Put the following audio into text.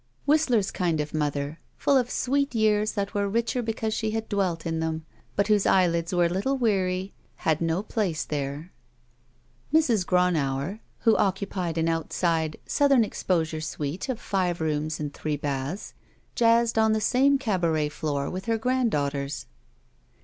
Whistler's kind of mother, full of sweet years that m SHE WALKS IN BEAUTY were richer because she had dwelt in them, but whose eyelids were a little weary, had no place there. Mrs. Gronauer, who occupied an outside, south em exposure suite of five rooms and three baths, jazzed on the same cabaret floor with her grand daughters.